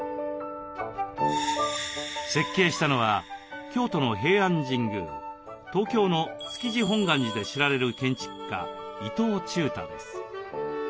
設計したのは京都の平安神宮東京の築地本願寺で知られる建築家伊東忠太です。